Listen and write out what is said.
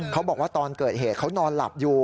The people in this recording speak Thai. เขาบอกว่าตอนเกิดเหตุเขานอนหลับอยู่